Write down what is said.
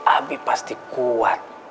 abi pasti kuat